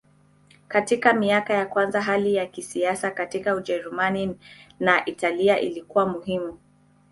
Katika miaka ya kwanza hali ya kisiasa katika Ujerumani na Italia ilikuwa muhimu.